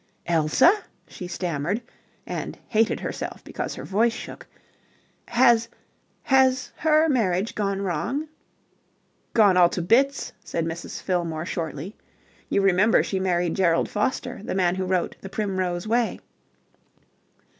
"Elsa?" she stammered, and hated herself because her voice shook. "Has has her marriage gone wrong?" "Gone all to bits," said Mrs. Fillmore shortly. "You remember she married Gerald Foster, the man who wrote 'The Primrose Way'?"